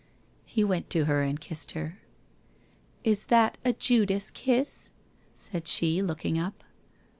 He went to her and kissed her. ' Is that a Judas kiss? ' said she looking up.